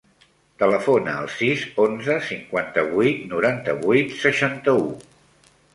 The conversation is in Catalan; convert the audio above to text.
Telefona al sis, onze, cinquanta-vuit, noranta-vuit, seixanta-u.